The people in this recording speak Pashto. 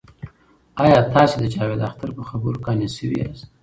آیا تاسې د جاوید اختر په خبرو قانع شوي یاست؟